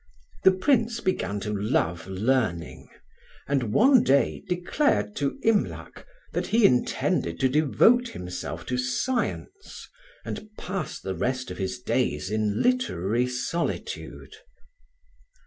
The Prince began to love learning, and one day declared to Imlac that he intended to devote himself to science and pass the rest of his days in literary solitude.